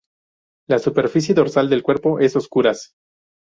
La superficie dorsal del cuerpo es oscuras.